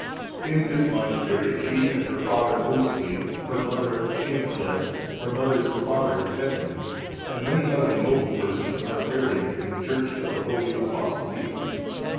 In this monastery, she and her father, Oswy, her mother, Eanfled, her mother's father, Edwin,(442) and many other noble persons, are buried in the church of the holy Apostle Peter.